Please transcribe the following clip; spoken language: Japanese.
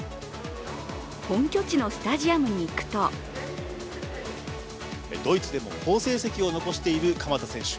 本拠地のスタジアムに行くとドイツでも好成績を残している鎌田選手。